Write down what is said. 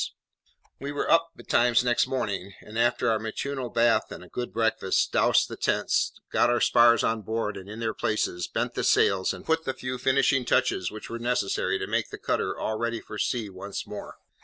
We were up betimes next morning; and, after our matutinal bath and a good breakfast, dowsed the tents, got our spars on board and in their places, bent the sails, and put the few finishing touches which were necessary to make the cutter all ready for sea once more.